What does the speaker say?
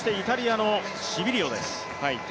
イタリアのシビリオです。